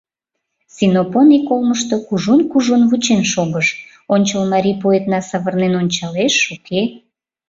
Синопон ик олмышто кужун-кужун вучен шогыш: ончыл марий поэтна савырнен ончалеш, уке?